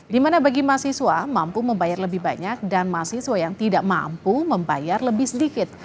di mana bagi mahasiswa mampu membayar lebih banyak dan mahasiswa yang tidak mampu membayar lebih sedikit